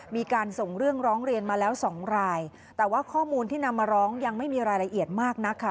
มีการส่งเรื่องร้องเรียนมาแล้วสองรายแต่ว่าข้อมูลที่นำมาร้องยังไม่มีรายละเอียดมากนักค่ะ